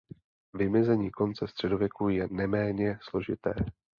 Vymezení konce středověku je neméně složité.